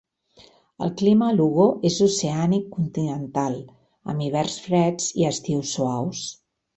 El clima a Lugo és oceànic continental, amb hiverns freds i estius suaus.